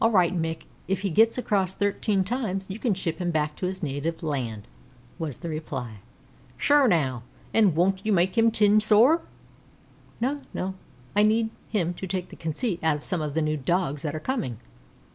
"All right, Mick; if he gets across thirteen times you can ship him back to his native land," was the reply. "Shure now, an' won't you make it tin, sor?" "No, no; I need him to take the conceit out of some of the new Dogs that are coming."